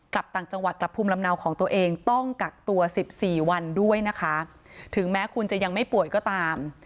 กลับต่างจังหวัดกลับภูมิลำเนาของตัวเองต้องกักตัว๑๔วันด้วยนะคะถึงแม้คุณจะยังไม่ป่วยก็ตาม